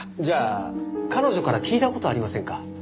じゃあ彼女から聞いた事ありませんか？